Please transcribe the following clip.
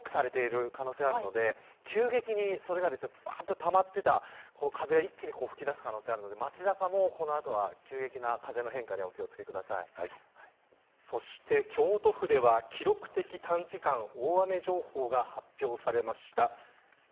ブロックされている可能性があるので急激に、それがたまっていた風が一気に吹きだす可能性があるので街中もこの後は急激なそして京都府では記録的短時間大雨情報が発表されました。